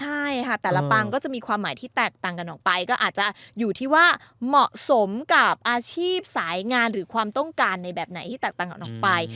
ใช่ค่ะแต่ละปังก็จะมีความหมายที่แตกต่างกันออกไปก็อาจจะอยู่ที่ว่าเหมาะสมกับอาชีพสายงานหรือความต้องการในแบบไหนที่แตกต่างกันออกไป